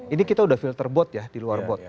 ini kita udah filter bot ya di luar bot